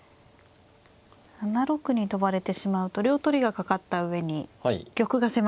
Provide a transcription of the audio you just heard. ７六に跳ばれてしまうと両取りがかかった上に玉が狭くなる。